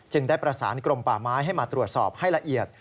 ได้ประสานกรมป่าไม้ให้มาตรวจสอบให้ละเอียด